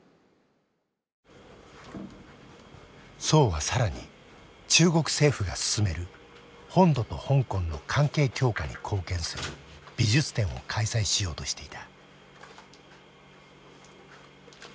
曽は更に中国政府が進める本土と香港の関係強化に貢献する美術展を開催しようとしていた。